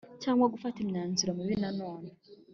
cyangwa tugafata imyanzuro mibi Nanone